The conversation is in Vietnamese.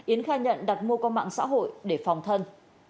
yến khai nhận đặt mua qua mạng xã hội để phòng thân